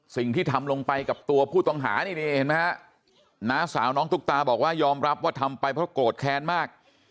สิ่งที่ทำลงไปกับตัวผู้ต้องหานี่เห็นไหมฮะน้าสาวน้องตุ๊กตาบอกว่ายอมรับว่าทำไปเพราะโกรธแค้นมาก